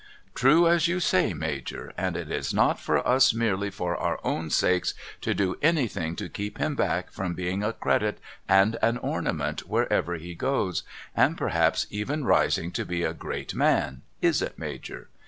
' True as you say Major, and it is not for us merely for our own sakes to do anything to keep him back from being a credit and an ornament wherever he goes and perhaps even rising to be a great man, is it Major